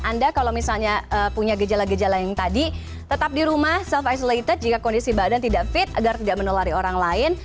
anda kalau misalnya punya gejala gejala yang tadi tetap di rumah self isolated jika kondisi badan tidak fit agar tidak menulari orang lain